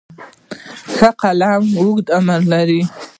ښه قلم اوږد عمر لري.